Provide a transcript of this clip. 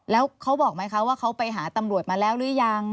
แล้วเขาบอกไหมคะว่าเขาไปหาตำรวจมาแล้วหรือยัง